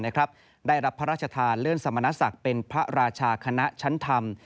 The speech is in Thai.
ได้รับพระราชทานเลื่อนสมณศักดิ์เป็นพระราชาคณะชั้นธรรม